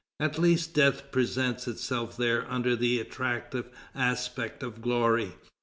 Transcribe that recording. At least, death presents itself there under the attractive aspect of glory."